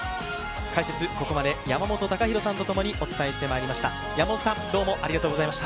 解説、ここまで山本隆弘さんと共にお伝えしてまいりました。